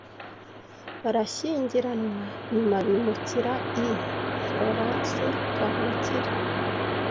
barashyingiranwa nyuma bimukira i Florence kavukire